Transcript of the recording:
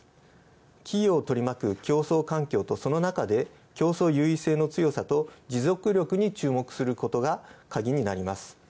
企業を取り巻く競争環境とそのなかで競争優位性の強さと持続力に注目することが鍵になります。